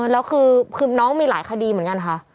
แล้วคือน้องมีหลายคดีเหมือนกันค่ะ